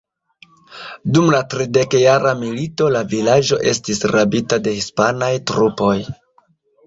Dum la Tridekjara Milito la vilaĝo estis rabita de hispanaj trupoj.